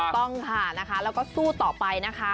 ต้องค่ะนะคะแล้วก็สู้ต่อไปนะคะ